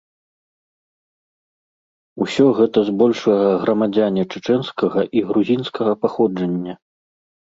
Усё гэта збольшага грамадзяне чачэнскага і грузінскага паходжання.